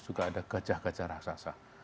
juga ada gajah gajah raksasa